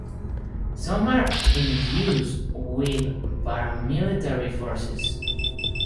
Some are in use with paramilitary forces.